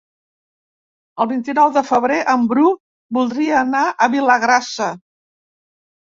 El vint-i-nou de febrer en Bru voldria anar a Vilagrassa.